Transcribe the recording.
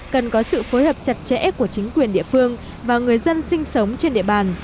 cần có sự phối hợp chặt chẽ của chính quyền địa phương và người dân sinh sống trên địa bàn